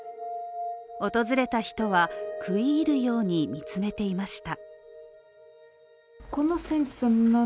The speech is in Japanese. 訪れた人は、食い入るように見つめていました。